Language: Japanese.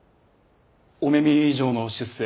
御目見以上の出世。